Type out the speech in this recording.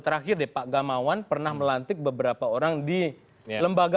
terakhir deh pak gamawan pernah melantik beberapa orang di lembaga